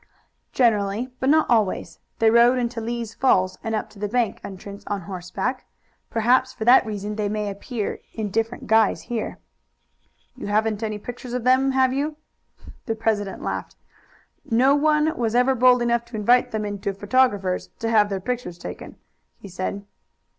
"Generally, but not always. They rode into Lee's Falls and up to the bank entrance on horseback. Perhaps for that reason they may appear in different guise here." "You haven't any pictures of them, have you?" The president laughed. "No one was ever bold enough to invite them into a photographer's to have their pictures taken," he said.